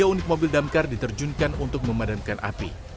tiga unit mobil damkar diterjunkan untuk memadamkan api